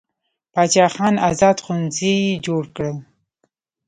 باچا خان ازاد ښوونځي جوړ کړل.